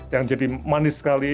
yang jadi manis sekali